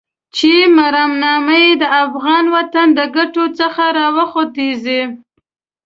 چې مرامنامه يې د افغان وطن له ګټو څخه راوخوټېږي.